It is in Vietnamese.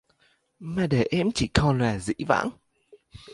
Mà để em chỉ còn là dĩ vãng?